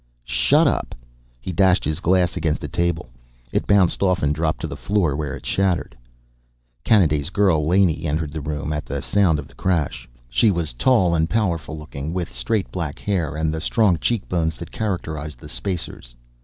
"Shut up!" He dashed his glass against the table; it bounced off and dropped to the floor, where it shattered. Kanaday's girl Laney entered the room at the sound of the crash. She was tall and powerful looking, with straight black hair and the strong cheekbones that characterized the Spacers.